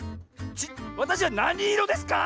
わたしはなにいろですか？